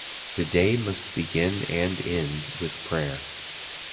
The day must begin and end with prayer.